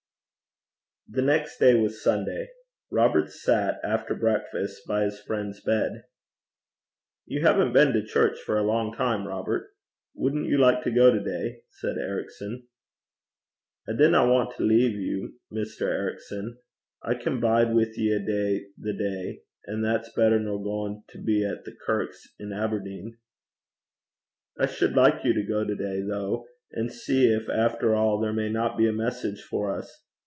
The next day was Sunday. Robert sat, after breakfast, by his friend's bed. 'You haven't been to church for a long time, Robert: wouldn't you like to go to day?' said Ericson. 'I dinna want to lea' you, Mr. Ericson; I can bide wi' ye a' day the day, an' that's better nor goin' to a' the kirks in Aberdeen.' 'I should like you to go to day, though; and see if, after all, there may not be a message for us.